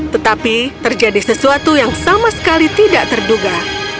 tetapi terjadi sesuatu yang sama sekali tidak terduga